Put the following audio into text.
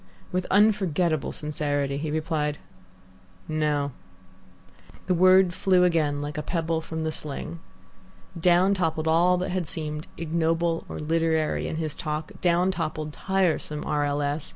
With unforgettable sincerity he replied, "No." The word flew again like a pebble from the sling. Down toppled all that had seemed ignoble or literary in his talk, down toppled tiresome R. L. S.